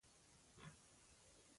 د سفر تکل ونکړي.